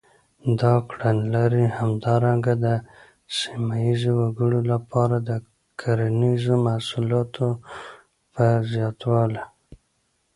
دا کړنلارې همدارنګه د سیمه ییزو وګړو لپاره د کرنیزو محصولاتو په زباتوالي.